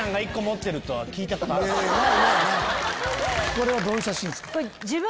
これはどういう写真ですか？